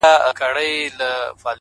هره لاسته راوړنه کوچنی پیل لري’